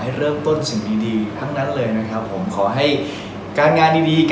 จะเดินทางไปไหนก็ขอให้เดินทางอย่างปลอดภัยค่ะ